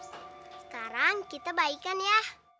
sekarang kita baikan ya